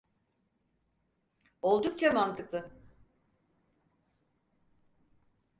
Oldukça mantıklı.